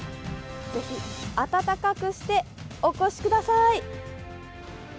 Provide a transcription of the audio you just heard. ぜひ暖かくしてお越しください。